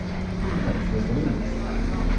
Aparecía os domingos.